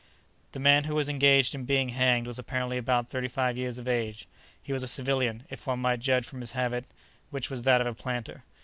The man who was engaged in being hanged was apparently about thirty five years of age. He was a civilian, if one might judge from his habit, which was that of a planter.